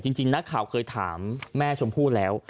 จริงนักข่าวเคยถามแม่ชมพู่แล้ว